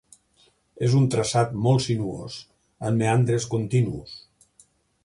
És un traçat molt sinuós, amb meandres continus.